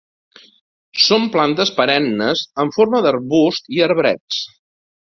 Són plantes perennes en forma d'arbusts i arbrets.